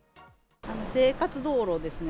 生活道路ですね。